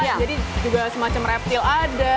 jadi juga semacam reptil ada